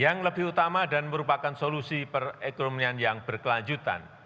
yang lebih utama dan merupakan solusi perekonomian yang berkelanjutan